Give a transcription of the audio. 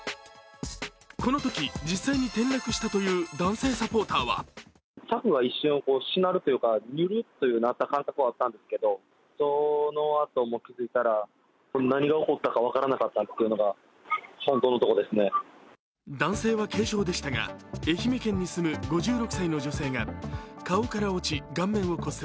このとき、実際に転落したという男性サポーターは男性は軽傷でしたが愛媛県に住む５６歳の女性が顔から落ち顔面を骨折。